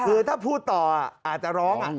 คือถ้าพูดต่ออ่ะอาจจะร้องอ่ะ